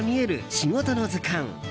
仕事の図鑑」。